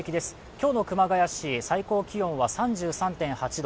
今日の熊谷市、最高気温は３３．８度。